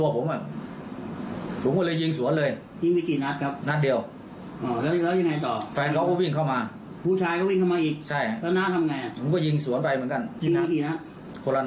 ก็ยิงสวนไปเหมือนกันคนละนั้น